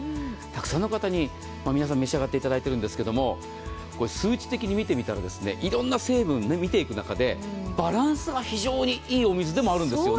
たくさんの方に皆さん召し上がっていただいているんですが数値的に見てみたらいろんな成分、見ていく中でバランスが非常に良いお水でもあるんです。